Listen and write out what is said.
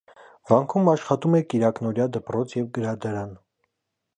Վանքում աշխատում է կիրակնօրյա դպրոց և գրադարան։